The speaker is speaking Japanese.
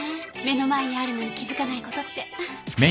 目の前にあるのに気付かないことって。